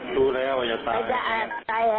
รู้แล้วว่าจะตาย